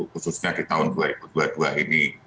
khususnya di tahun dua ribu dua puluh dua ini